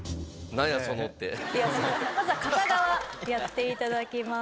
まずは片側やって頂きます。